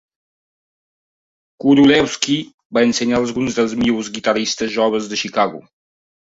Curulewski va ensenyar alguns dels millors guitarristes joves de Chicago.